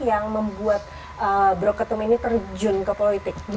yang membuat bro katung ini